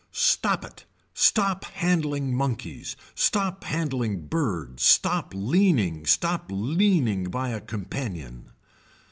Stop it. Stop handling monkeys, stop handling birds stop leaning, stop leaning by a companion.